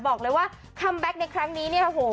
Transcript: บอกเลยว่าคัมแบ็คในครั้งนี้เนี่ยโอ้โห